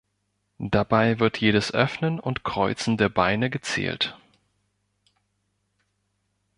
Dabei wird jedes Öffnen und Kreuzen der Beine gezählt.